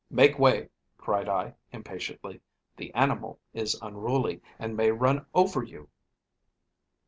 "'Make way!' cried I impatiently, 'the animal is unruly, and may run over you.'